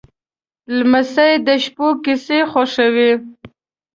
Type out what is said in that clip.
لمسی د شپو کیسې خوښوي.